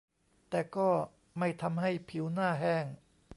แต่ก็ไม่ทำให้ผิวหน้าแห้ง